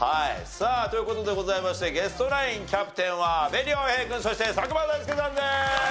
さあという事でございましてゲストナインキャプテンは阿部亮平君そして佐久間大介さんです！